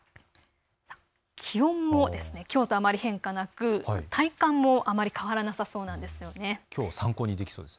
気温もきょうとあまり変化なく体感もあまり変わらなさそうです。